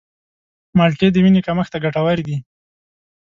مالټې د وینې کمښت ته ګټورې دي.